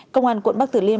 công an quận bắc tử liêm